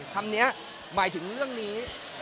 คำนี้หมายถึงเรื่องนี้